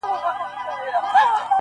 ستا پر مخ د وخت گردونو کړی شپول دی,